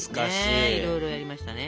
いろいろやりましたね。